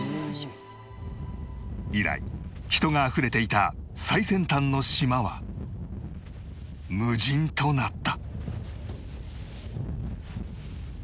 以来人があふれていた最先端の島は無人となった